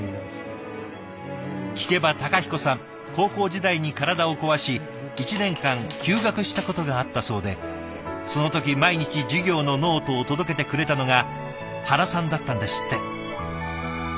聞けば孝彦さん高校時代に体を壊し１年間休学したことがあったそうでその時毎日授業のノートを届けてくれたのが原さんだったんですって。